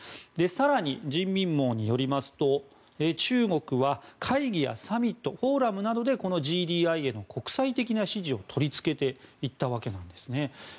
更に人民網によりますと中国は会議やサミットフォーラムなどでこのＧＤＩへの国際的支持を取り付けていったわけなんです。